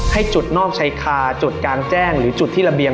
ให้จุดนอกชายคาจุดกลางแจ้งหรือจุดที่ระเบียง